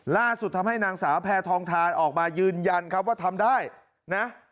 ล่าสุดทำให้นางสาวแพทองทานออกมายืนยันครับว่าทำได้นะ